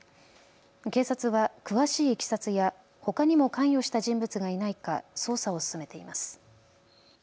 警察は詳しいいきさつやほかにも関与した人物がいないか捜査を進めています。